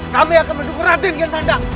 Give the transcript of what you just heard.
kami akan mendukung raden kian santang